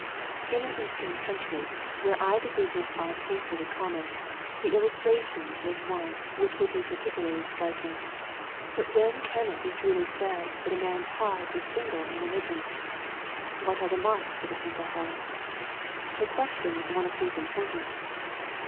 In an eastern country, where eye diseases are painfully common, the illustra tion is one which would be particularly striking. But when can it be truly said that a man's heart is single in religion ? What are the marks of a single heart ? The question is one of deep importance.